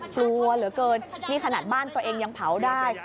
กลัวเหลือเกินนี่ขนาดบ้านตัวเองยังเผาได้